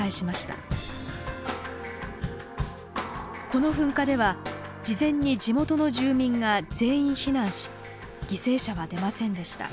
この噴火では事前に地元の住民が全員避難し犠牲者は出ませんでした。